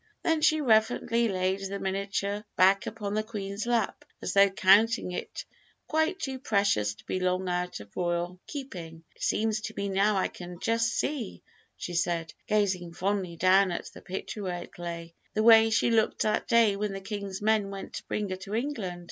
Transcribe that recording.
Then she reverently laid the miniature back upon the Queen's lap, as though counting it quite too precious to be long out of royal keeping. "It seems to me now I can just see," she said, gazing fondly down at the picture where it lay, "the way she looked that day when the King's men went to bring her to England.